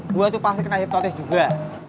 gua tuh pasti kena hipnotis juga